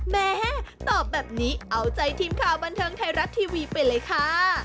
แม่ตอบแบบนี้เอาใจทีมข่าวบันเทิงไทยรัฐทีวีไปเลยค่ะ